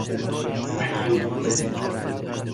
ایوب